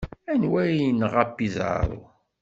Anwa ay yenɣa Pizarro?